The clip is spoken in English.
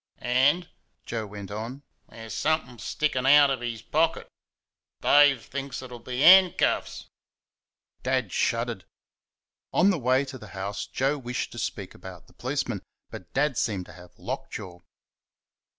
"And," Joe went on, "there's somethin' sticking out of his pocket Dave thinks it'll be 'ancuffs." Dad shuddered. On the way to the house Joe wished to speak about the policeman, but Dad seemed to have lock jaw.